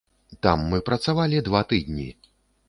Там мы працавалі два тыдні.